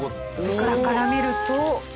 下から見ると。